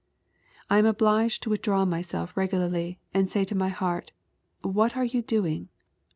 I am obliged to withdraw myself regularly, and say to my hearty * What are you doing